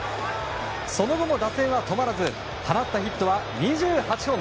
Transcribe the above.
その後も打線は止まらず放ったヒットは２８本。